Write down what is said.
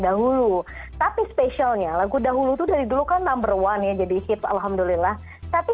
dahulu tapi spesialnya lagu dahulu tuh dari dulu kan number one ya jadi ship alhamdulillah tapi